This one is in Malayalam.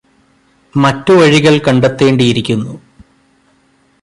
മറ്റുവഴികള് കണ്ടെത്തേണ്ടിയിരുന്നു